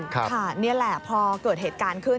นี่แหละพอเกิดเหตุการณ์ขึ้น